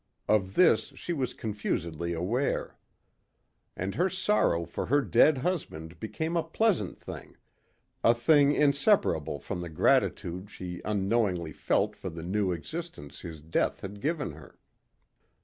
Of this she was confusedly aware. And her sorrow for her dead husband became a pleasant thing, a thing inseparable from the gratitude she unknowingly felt for the new existence his death had given her.